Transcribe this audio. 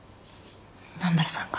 南原さんが？